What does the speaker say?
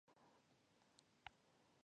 له دې هرڅه زه په تیښته